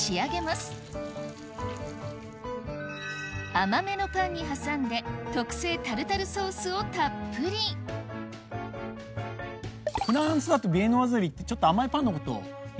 甘めのパンに挟んで特製タルタルソースをたっぷりフランスだとヴィエノワズリーってちょっと甘いパンのことをいう。